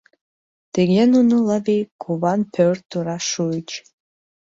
Тыге нуно Лави куван пӧрт тура шуыч.